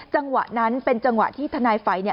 จังหวะนั้นเป็นจังหวะที่ทนายไฟเนี่ย